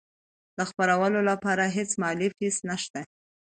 د خپرولو لپاره هیڅ مالي فیس نشته.